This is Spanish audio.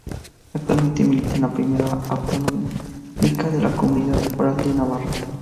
Actualmente milita en la Primera Autonómica de la Comunidad Foral de Navarra.